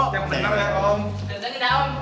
tep sebentar ya om